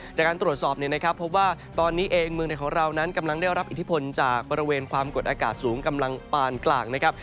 จากการตรวจสอบเนี่ยนะครับเพราะว่าตอนนี้เองเมืองในของเรานั้นกำลังได้รับอิทธิพลจากบริเวณความกดอากาศสูงกำลังปานกลางนะครับ